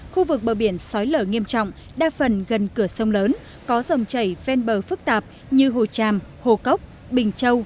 khu vực bờ biển sói lở nghiêm trọng đa phần gần cửa sông lớn có dòng chảy ven bờ phức tạp như hồ tràm hồ cốc bình châu